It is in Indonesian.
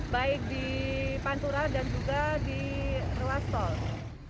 baik di pantura dan juga di ruas tol